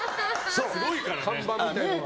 看板みたいなのが。